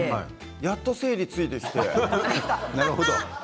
やっと整理がついてきて。